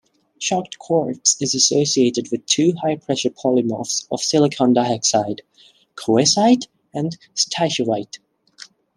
Shocked quartz is associated with two high-pressure polymorphs of silicon dioxide: coesite and stishovite.